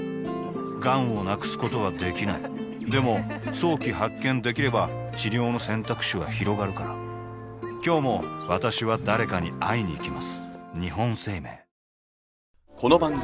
がんを無くすことはできないでも早期発見できれば治療の選択肢はひろがるから今日も私は誰かに会いにいきます